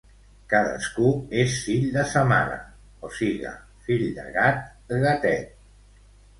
Cadascú és fill de sa mare, o siga, fill de gat, gatet.